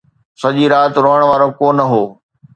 سڄي رات روئڻ وارو ڪو نه هو